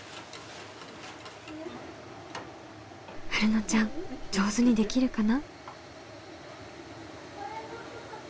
はるのちゃん上手にできるかな？